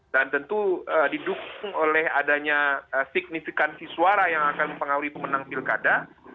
dan tentu didukung oleh adanya signifikansi suara yang akan mempengaruhi pemenang pilkada